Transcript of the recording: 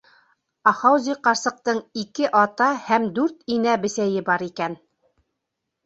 Ахаузи ҡарсыҡтың ике ата һәм дүрт инә бесәйе бар икән.